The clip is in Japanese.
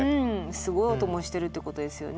すごい音もしてるってことですよね。